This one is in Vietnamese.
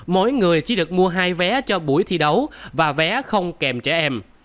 mỗi người chỉ được mua hai vé cho buổi thi đấu và vé không kèm trẻ em